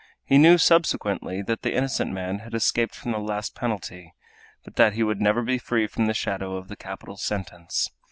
He knew subsequently that the innocent man had escaped from the last penalty, but that he would never be free from the shadow of the capital sentence!